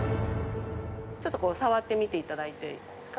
ちょっと触ってみていただいていいですか？